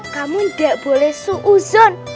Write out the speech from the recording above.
kamu ndak boleh seuzon